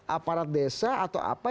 aparat desa atau apa